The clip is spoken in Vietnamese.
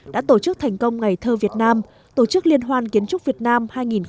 đã tổ chức thành công ngày thơ việt nam tổ chức liên hoan kiến trúc việt nam hai nghìn một mươi chín